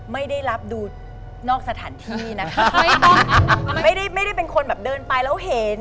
ไม่ได้รับดูนอกสถานที่นะคะไม่ได้ไม่ได้เป็นคนแบบเดินไปแล้วเห็น